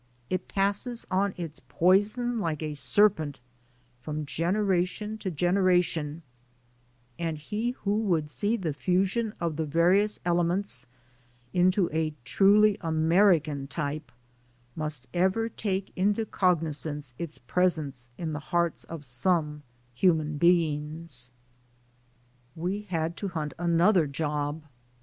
It passes on its poison like a serpent from generation to generation, and he who would see the fusion of the various ele ments into a truly American type must ever take into cognizance its presence in the hearts of some human beings. We had to hunt another job.